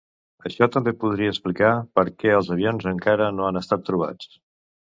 Això també podria explicar per què els avions encara no han estat trobats.